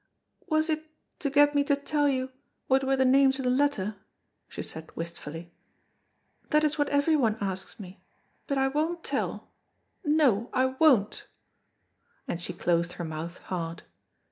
"Was it to get me to tell you what were the names in the letter?" she said, wistfully. "That is what everyone asks me, but I won't tell, no, I won't;" and she closed her mouth hard.